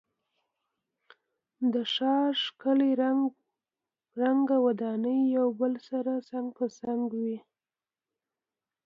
د ښار ښکلی رنګه ودانۍ یو بل سره څنګ په څنګ وې.